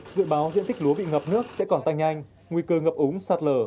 dự báo diện tích lúa bị ngập nước sẽ còn tăng nhanh nguy cơ ngập ống sạt lở